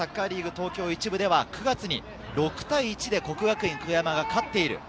東京１部では９月に６対１で國學院久我山が勝っている。